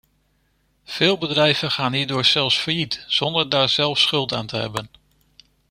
Veel bedrijven gaan hierdoor zelfs failliet, zonder daar zelf schuld aan te hebben.